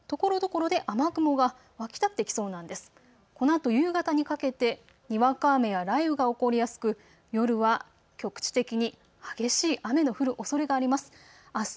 このあと夕方にかけてにわか雨や雷雨が起こりやすく夜は局地的に激しい雨の降るおそれがあります。